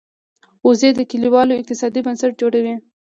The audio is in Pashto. وزې د کلیوالو اقتصاد بنسټ جوړوي